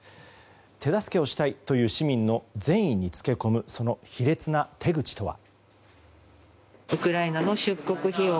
手助けをしたいという市民の善意につけ込むその卑劣な手口とは？